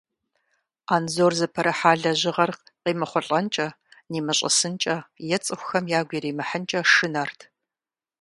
Анзор зыпэрыхьа лэжьыгъэр къемыхъулӀэнкӀэ, нимыщӀысынкӀэ е цӀыхухэм ягу иримыхьынкӀэ шынэрт.